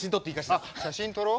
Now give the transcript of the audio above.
あっ写真撮ろう。